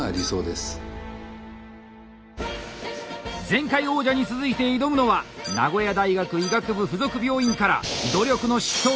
前回王者に続いて挑むのは名古屋大学医学部附属病院から努力の執刀